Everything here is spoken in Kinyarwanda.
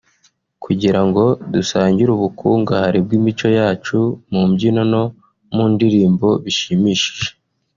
kugira ngo dusangire ubukungahare bw’imico yacu mu mbyino no mu ndirimbo bishimishije